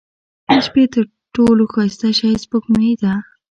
• د شپې تر ټولو ښایسته شی سپوږمۍ ده.